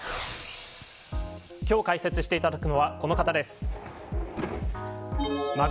今日、解説していただくのはこの方です。